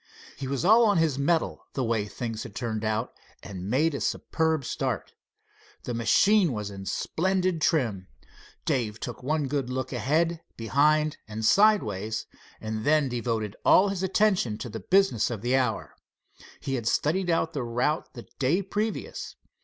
He was all on his mettle, the way things had turned out, and made a superb start. The machine was in splendid trim. Dave took one good look ahead, behind and sideways, and then devoted all his attention to the business of the hour. He had studied out the route the day previous.